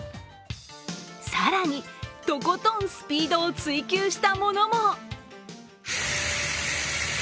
更に、とことんスピードを追求したものも。